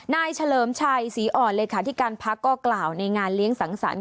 เฉลิมชัยศรีอ่อนเลขาธิการพักก็กล่าวในงานเลี้ยงสังสรรค